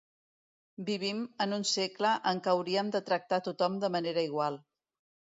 Vivim en un segle en què hauríem de tractar tothom de manera igual.